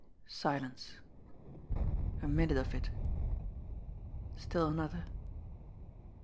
Silence a minute of it still another!